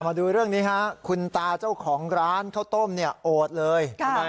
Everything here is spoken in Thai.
มาดูเรื่องนี้ฮะคุณตาเจ้าของร้านข้าวต้มเนี่ยโอดเลย